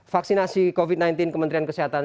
vaksinasi covid sembilan belas kementerian kesehatan